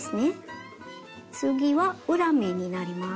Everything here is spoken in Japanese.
次は裏目になります。